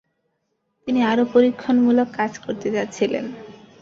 তিনি আরও পরীক্ষণমূলক কাজ করতে চাচ্ছিলেন।